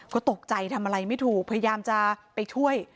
ก็ตกใจทำอะไรไม่ถูกพยายามจะไปช่วย